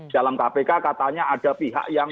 dalam kpk katanya ada pihak yang